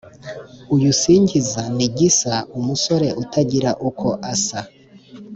Uyu nsingiza ni Gisa umusore utagira uko asa